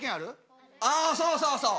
ああそうそうそう。